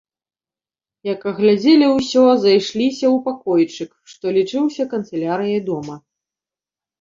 Як агледзелі ўсё, зайшліся ў пакойчык, што лічыўся канцылярыяй дома.